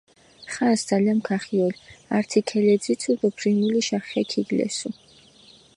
ხანს ძალამქ ახიოლ, ართი ქელეძიცუ დო ფრიმულიშა ხე ქიგლესუ.